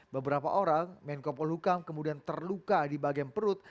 beberapa orang menko polhukam kemudian terluka di bagian perut